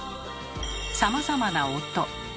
さまざまな「音」。